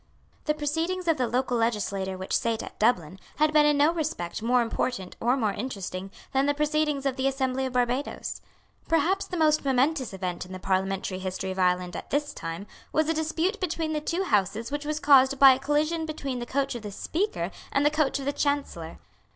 The proceedings of the local legislature which sate at Dublin had been in no respect more important or more interesting than the proceedings of the Assembly of Barbadoes. Perhaps the most momentous event in the parliamentary history of Ireland at this time was a dispute between the two Houses which was caused by a collision between the coach of the Speaker and the coach of the Chancellor.